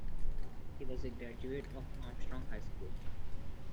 He was a graduate of Armstrong High School.